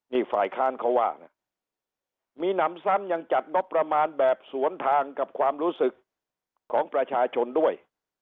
นี่ฝ่ายค้านเขาว่าไงมีหนำซ้ำยังจัดงบประมาณแบบสวนทางกับความรู้สึกของประชาชนด้วย